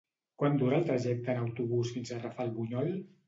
Quant dura el trajecte en autobús fins a Rafelbunyol?